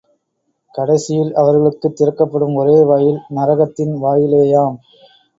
கடைசியில் அவர்களுக்குத் திறக்கப்படும் ஒரே வாயில் நரகத்தின் வாயிலேயாம்.